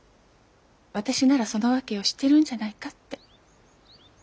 私ならその訳を知ってるんじゃないかって。